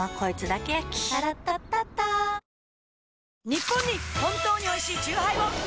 ニッポンに本当においしいチューハイを！